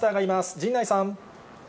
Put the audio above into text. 陣内さん。